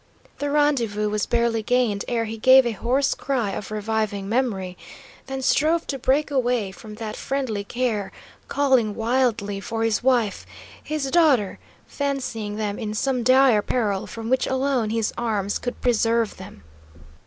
The rendezvous was barely gained ere he gave a hoarse cry of reviving memory, then strove to break away from that friendly care, calling wildly for his wife, his daughter, fancying them in some dire peril from which alone his arms could preserve them.